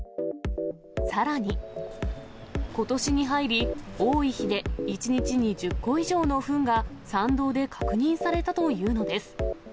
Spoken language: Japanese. さらに、ことしに入り、多い日で、１日に１０個以上のふんが、参道で確認されたというのです。